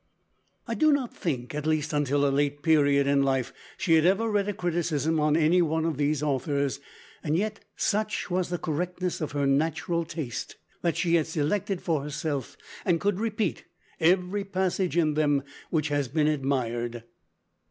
"I do not think, at least until a late period in life, she had ever read a criticism on any one of these authors, and yet such was the correctness of her natural taste, that she had selected for herself, and could repeat, every passage in them which has been admired....